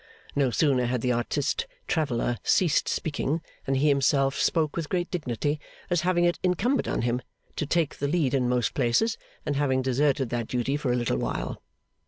No sooner had the artist traveller ceased speaking than he himself spoke with great dignity, as having it incumbent on him to take the lead in most places, and having deserted that duty for a little while.